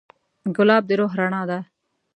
ګلاب د روح رڼا ده.